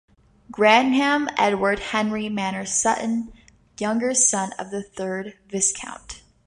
Graham Edward Henry Manners-Sutton, younger son of the third Viscount.